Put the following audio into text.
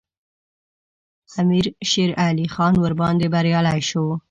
امیر شېرعلي خان ورباندې بریالی شو.